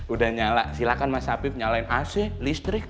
udah nyala silahkan mas apip nyalain ac listrik